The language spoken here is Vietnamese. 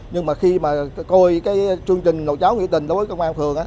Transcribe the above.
nhưng mà khi mà coi cái chương trình nồi cháu nghĩa tình đối với công an phường á